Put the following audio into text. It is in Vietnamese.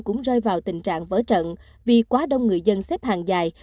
cũng rơi vào tình trạng vỡ trận vì quá đông người dân xếp hàng dài